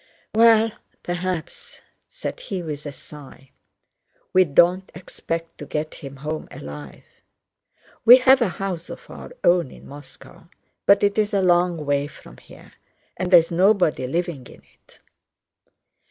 "Well, perhaps," said he with a sigh. "We don't expect to get him home alive! We have a house of our own in Moscow, but it's a long way from here, and there's nobody living in it."